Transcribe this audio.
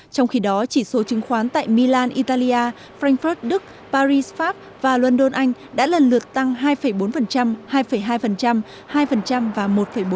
trong khi đó chỉ số chứng khoán tại milan italia frankfurt đức paris pháp và london anh đã lần lượt tăng hai bốn hai và một bốn